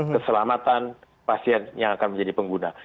keselamatan pasien yang akan menjadi pengguna